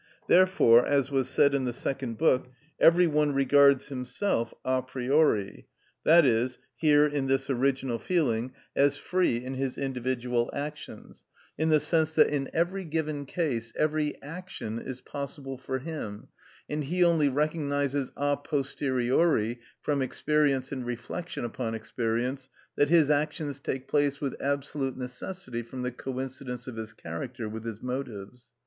Therefore, as was said in the Second Book, every one regards himself a priori (i.e., here in this original feeling) as free in his individual actions, in the sense that in every given case every action is possible for him, and he only recognises a posteriori from experience and reflection upon experience that his actions take place with absolute necessity from the coincidence of his character with his motives.